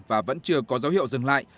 và vẫn chưa có dấu hiệu dừng lại